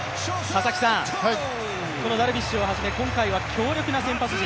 ダルビッシュをはじめ、今回は強力な先発陣。